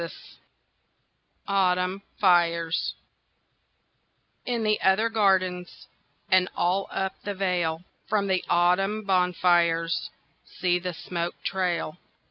VI Autumn Fires In the other gardens And all up the vale, From the autumn bonfires See the smoke trail!